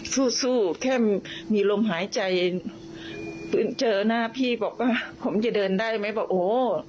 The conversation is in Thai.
สู้สู้แค่มีลมหายใจปืนเจอหน้าพี่บอกว่าผมจะเดินได้ไหมบอกโอ้